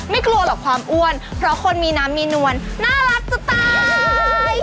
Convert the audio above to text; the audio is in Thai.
กลัวหรอกความอ้วนเพราะคนมีน้ำมีนวลน่ารักจะตาย